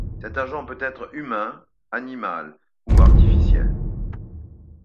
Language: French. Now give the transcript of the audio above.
Cet agent peut être humain, animal ou artificiel.